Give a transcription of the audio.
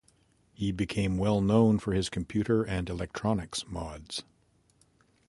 He became well known for his computer and electronics mods.